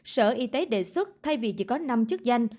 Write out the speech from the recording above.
sở y tế đề xuất thay vì chỉ có năm chức danh